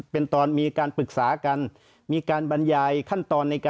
เป็นตอนมีการปรึกษากัน